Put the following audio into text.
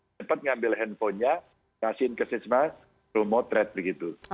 cepat ngambil handphonenya kasihin ke sisma remote read begitu